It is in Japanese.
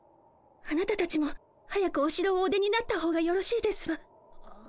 あなたたちも早くおしろをお出になったほうがよろしいですわ。